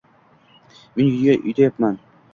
Men yupatdim: